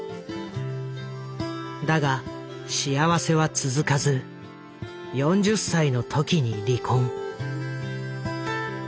だが幸せは続かず４０歳の時に離婚。